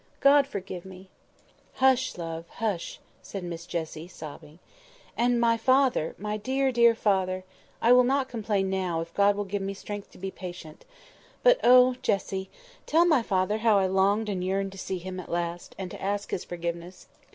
God forgive me!" "Hush, love! hush!" said Miss Jessie, sobbing. "And my father, my dear, dear father! I will not complain now, if God will give me strength to be patient. But, oh, Jessie! tell my father how I longed and yearned to see him at last, and to ask his forgiveness.